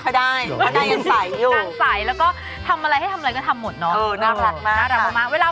กันใสยอยู่นางใสและทำอะไรให้ทำไหมก็ทำหมดเนาะ